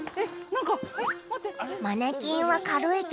何か「マネキンは軽いけど」